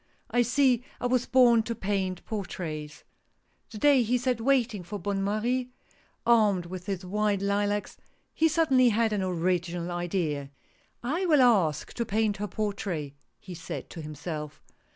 " I see I was born to paint portraits." The day he sat waiting for Bonne Marie, armed with his white lilacs, he suddenly had an original idea :" I will ask to paint her portrait !" he said to himself.